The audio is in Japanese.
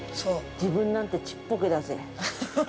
◆自分なんてちっぽけだぜ。